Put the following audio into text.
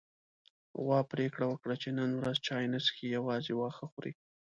غوا پرېکړه وکړه چې نن ورځ چای نه څښي، يوازې واښه خوري.